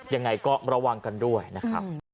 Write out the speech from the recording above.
ยังไงก็ระวังกันด้วยนะครับ